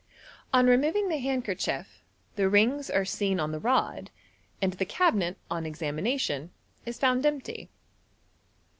On removing the handkerchief, the rings are seen on the rod, and the cabinet, on examination, is found empty.